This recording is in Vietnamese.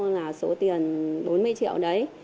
là số tiền bốn mươi triệu đấy